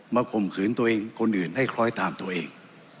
ข่มขืนตัวเองคนอื่นให้คล้อยตามตัวเอง